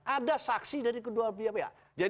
ada saksi dari kedua pihak